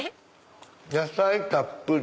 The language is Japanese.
野菜たっぷり！